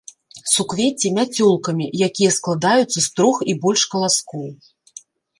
Суквецці мяцёлкамі, якія складаюцца з трох і больш каласкоў.